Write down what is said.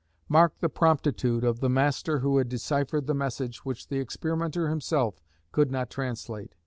Mark the promptitude of the master who had deciphered the message which the experimenter himself could not translate.